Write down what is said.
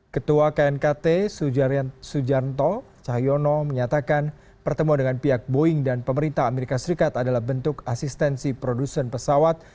ketua knkt sujarto cahyono menyatakan pertemuan dengan pihak boeing dan pemerintah amerika serikat adalah bentuk asistensi produsen pesawat